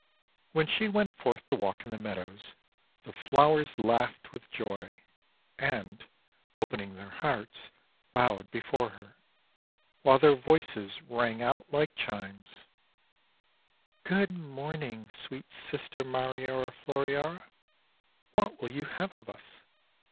When she went forth to walk in the meadows, the flowers laughed with joy, and, opening their hearts, bowed before her; while their voices rang out like chimes : "Good morning, sweet Sister Mariora Flo riora! What will you have of us?